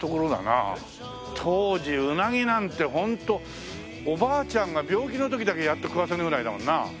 当時うなぎなんてホントおばあちゃんが病気の時だけやっと食わせるぐらいだもんな。